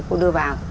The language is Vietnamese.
cô đưa vào